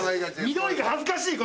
緑が恥ずかしい